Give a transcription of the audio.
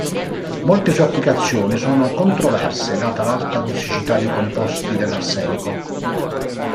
Molte sue applicazioni sono controverse data l'alta tossicità dei composti dell'arsenico.